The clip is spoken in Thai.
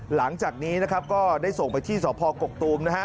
หลังจากนี้นะครับก็ได้ส่งไปที่สพกกตูมนะฮะ